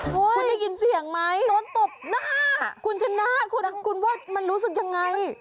คุณได้ยินเสียงไหมคุณจะนะคุณว่ามันรู้สึกยังไง